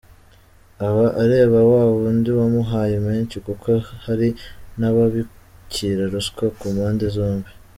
Aba areba wa wundi wamuhaye menshi kuko hari n’abakira ruswa ku mpande zombi.